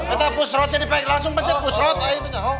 itu pushrod ini langsung pencet pushrod